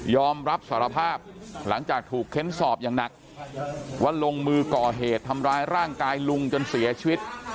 อมรับสารภาพหลังจากถูกเค้นสอบอย่างหนักว่าลงมือก่อเหตุทำร้ายร่างกายลุงจนเสียชีวิต